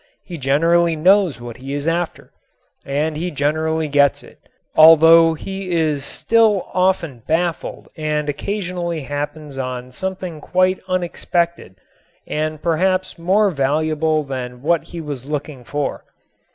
He generally knows what he is after, and he generally gets it, although he is still often baffled and occasionally happens on something quite unexpected and perhaps more valuable than what he was looking for.